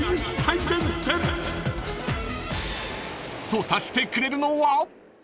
［捜査してくれるのは］